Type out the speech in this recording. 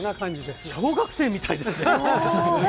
小学生みたいですね。